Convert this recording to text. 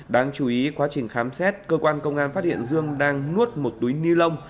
đáng chú ý quá trình khám xét cơ quan công an phát hiện dương đang nuốt một túi ni lông